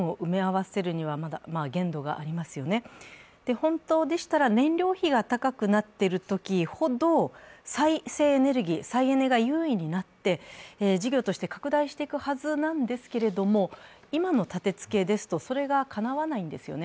本当でしたら、燃料費が高くなっているときほど再生エネルギー、再エネが優位になって事業が拡大していくはずなんですけれども、今の立て付けですとそれがかなわないんですよね。